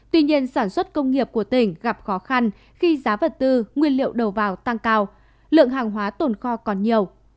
tuy nhiên sản xuất công nghiệp của tỉnh gặp khó khăn khi giá vật tư nguyên liệu đầu vào tăng cao lượng hàng hóa tồn kho còn nhiều